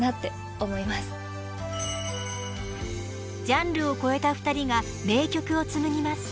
［ジャンルを超えた２人が名曲をつむぎます］